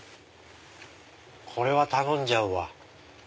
これは頼んじゃうわ。